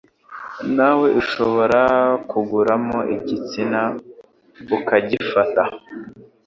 Nawe ushobora gukuramo igitsina ukagifata